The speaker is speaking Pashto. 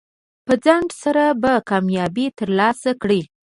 په ځنډ سره به کامیابي ترلاسه کړئ.